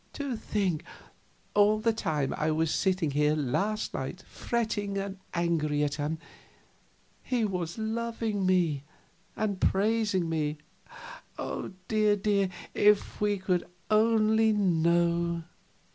To think all the time I was sitting here last night, fretting and angry at him, he was loving me and praising me! Dear, dear, if we could only know!